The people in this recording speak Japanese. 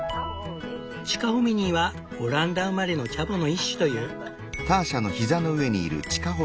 チカホミニーはオランダ生まれのチャボの一種という。